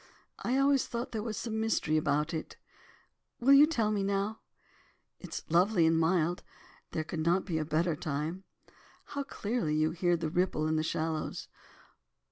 I always thought there was some mystery about it. Will you tell me now? It is lovely and mild, there could not be a better time. How clearly you can hear the ripple in the shallows.